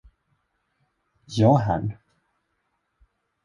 Ja, herrn.